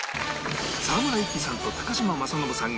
沢村一樹さんと嶋政伸さんが